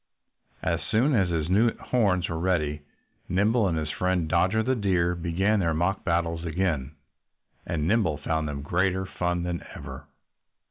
As soon as his new horns were ready Nimble and his friend Dodger the Deer began their mock battles again. And Nimble found them greater fun than ever.